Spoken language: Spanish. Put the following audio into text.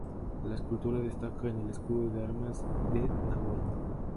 La escultura destaca en el escudo de armas de Nagorno -Karabaj.